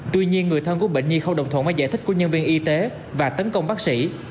tuy nhiên người thân của bệnh nhi không đồng thuận với giải thích của nhân viên y tế và tấn công bác sĩ